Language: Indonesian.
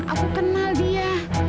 aku kenal dia